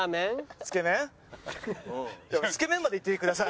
「つけ麺」まで言ってください。